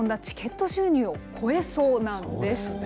チケット収入を超えそうなんです。